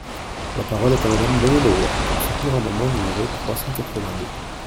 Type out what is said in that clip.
La parole est à Madame Danielle Auroi, pour soutenir l’amendement numéro trois cent quatre-vingt-deux.